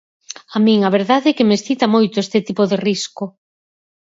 A min a verdade é que me excita moito ese tipo de risco.